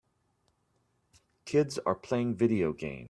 Kids are playing video games.